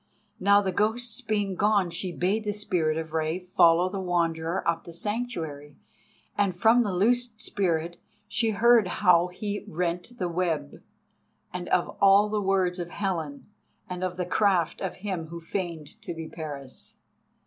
Now the ghosts being gone she bade the Spirit of Rei follow the Wanderer up the sanctuary, and from the loosed Spirit she heard how he rent the web, and of all the words of Helen and of the craft of him who feigned to be Paris.